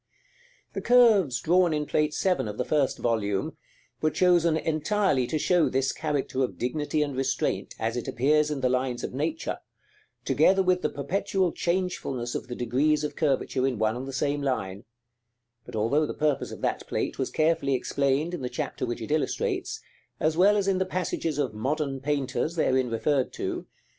The curves drawn in Plate VII. of the first volume, were chosen entirely to show this character of dignity and restraint, as it appears in the lines of nature, together with the perpetual changefulness of the degrees of curvature in one and the same line; but although the purpose of that plate was carefully explained in the chapter which it illustrates, as well as in the passages of "Modern Painters" therein referred to (vol.